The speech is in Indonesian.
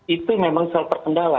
itu memang salah terpendala